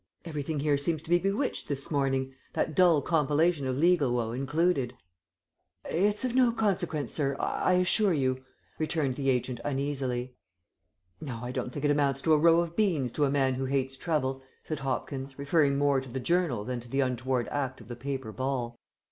Everything here seems to be bewitched this morning, that dull compilation of legal woe included." "It's of no consequence, sir, I assure you," returned the agent uneasily. "No, I don't think it amounts to a row of beans to a man who hates trouble," said Hopkins, referring more to the journal than to the untoward act of the paper ball.